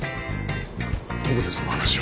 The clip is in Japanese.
どこでその話を。